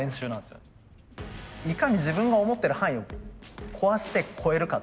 いかに自分が思ってる範囲を壊して超えるか。